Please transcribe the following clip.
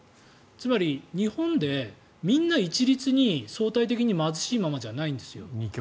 つまり、日本でみんな一律に相対的に貧しいままじゃないんです。